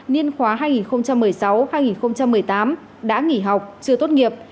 niên khóa hai nghìn một mươi sáu hai nghìn một mươi tám đã nghỉ học chưa tốt nghiệp